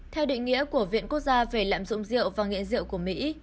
theo định nghĩa của viện quốc gia về lạm dụng rượu và nghĩa rượu của mỹ